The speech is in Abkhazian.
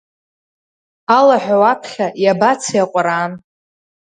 Алаҳәа уаԥхьа, иабацеи Аҟәараан?